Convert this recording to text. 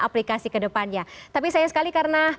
aplikasi kedepannya tapi sayang sekali karena